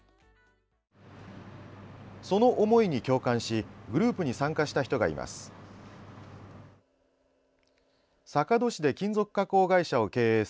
その思いに共感しグループに参加した人がいます。